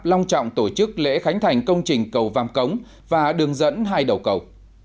long trọng tổ chức lễ khánh thành công trình cầu vam cống và đường dẫn hai đầu cầu